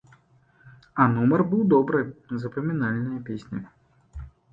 А нумар быў добры, запамінальная песня.